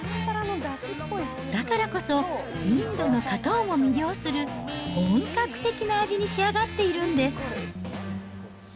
だからこそ、インドの方をも魅了する本格的な味に仕上がっているんです。